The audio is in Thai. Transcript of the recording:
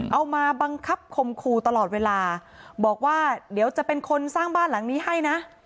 เอามาบังคับคมคู่ตลอดเวลาบอกว่าเดี๋ยวจะเป็นคนสร้างบ้านหลังนี้ให้นะ